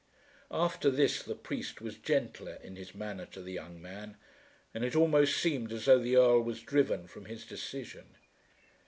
After this the priest was gentler in his manner to the young man, and it almost seemed as though the Earl was driven from his decision.